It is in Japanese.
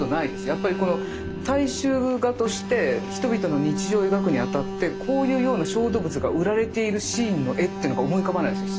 やっぱりこの大衆画として人々の日常を描くにあたってこういうような小動物が売られているシーンの絵っていうのが思い浮かばないです